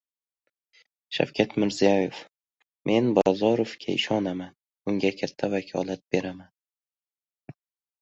Shavkat Mirziyoyev: «Men Bozorovga ishonaman. Unga katta vakolat beraman»